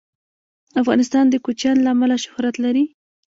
افغانستان د کوچیان له امله شهرت لري.